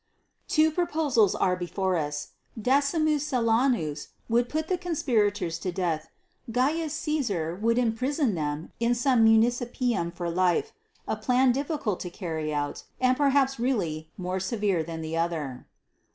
_Two proposals are before us. D. Silanus would put the conspirators to death; C. Caesar would imprison them in some municipium for life; a plan difficult to carry out, and perhaps really more severe than the other.